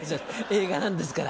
映画なんですから。